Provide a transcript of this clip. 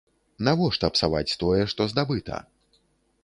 Навошта псаваць тое, што здабыта?